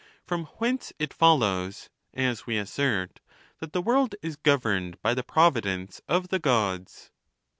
From whence it follows, as we assert, that the world is governed by the jDrovidence of the Gods.